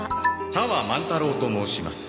多和万太郎と申します。